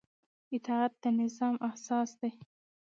اطاعت د نظام اساس دی